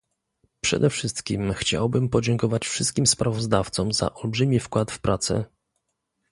Przede wszystkim chciałbym podziękować wszystkim sprawozdawcom za olbrzymi wkład w prace